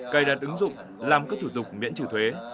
cài đặt ứng dụng làm các thủ tục miễn trừ thuế